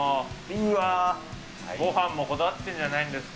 ごはんもこだわってんじゃないですか。